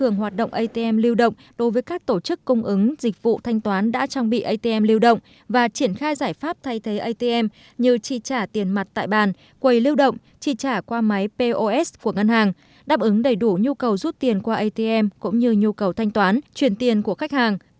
như trị trả tiền mặt tại bàn quầy lưu động trị trả qua máy pos của ngân hàng đáp ứng đầy đủ nhu cầu rút tiền qua atm cũng như nhu cầu thanh toán truyền tiền của khách hàng